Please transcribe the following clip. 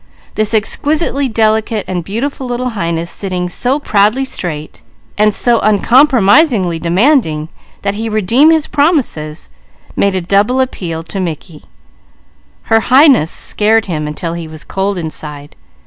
This exquisitely delicate and beautiful little Highness, sitting so proudly straight, and so uncompromisingly demanding that he redeem his promises, made a double appeal to Mickey. Her Highness scared him until he was cold inside.